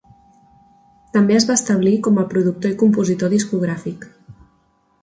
També es va establir com a productor i compositor discogràfic.